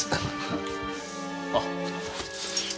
あっ。